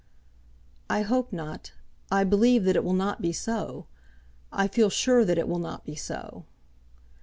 "I hope not. I believe that it will not be so. I feel sure that it will not be so."